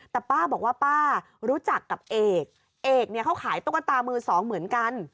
แต่ป้าบอกว่าป้ารู้จักกับเอกเอกเนี่ยเขาขายตุ๊กตามือสองเหมือนกัน